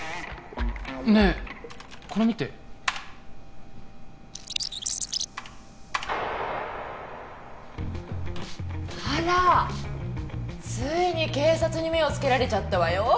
ねえこれ見てあらついに警察に目をつけられちゃったわよ